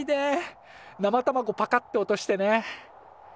生卵パカって落としてね。